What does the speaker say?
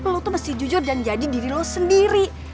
lu tuh mesti jujur dan jadi diri lo sendiri